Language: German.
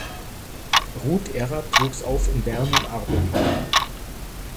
Ruth Erat wuchs auf in Bern und Arbon.